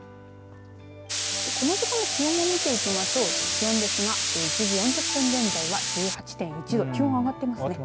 この時間の気温も見ていきましょう気温ですが１時４０分現在は１８．１度気温、上がっていますね。